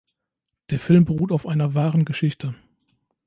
Der Film beruht auf einer wahren Geschichte.